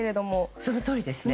そのとおりですね。